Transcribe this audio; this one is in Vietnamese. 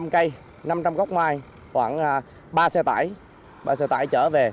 năm trăm linh cây năm trăm linh góc mai khoảng ba xe tải ba xe tải chở về